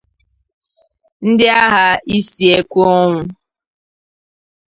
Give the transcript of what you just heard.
ndị agha isi ekwe ọnwụ.